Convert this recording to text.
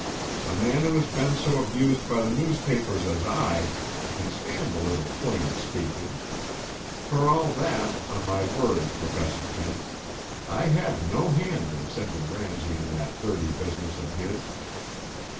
A man who has been so abused by the newspapers as I, can stand a little plain speaking. For all that, on my word, Professor Kent, I had no hand in sending Ramsay on that dirty business of his."